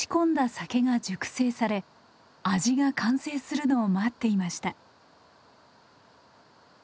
酒が熟成され味が完成するのを待っていました。